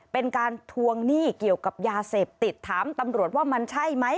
เป็นการทวงหนี้เกี่ยวกับยาเสพติดถามตำรวจว่ามันใช่ไหม